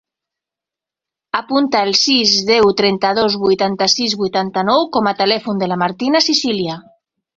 Apunta el sis, deu, trenta-dos, vuitanta-sis, vuitanta-nou com a telèfon de la Martina Sicilia.